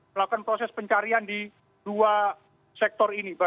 melakukan proses pencarian di dua sektor ini